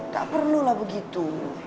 tak perlulah begitu